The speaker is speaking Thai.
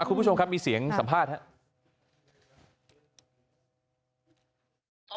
คุณผู้ชมครับมีเสียงสัมภาษณ์ครับ